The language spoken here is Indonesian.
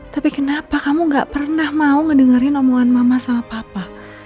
tapi kenapa kamu gak pernah mau ngedengerin omongan mama sama papa